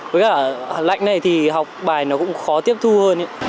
với cả lạnh này thì học bài nó cũng khó tiếp thu hơn